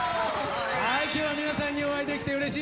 今日は皆さんにお会いできてうれしいです。